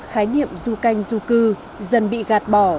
khái niệm du canh du cư dần bị gạt bỏ